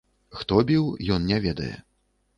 Хто біў, ён не ведае.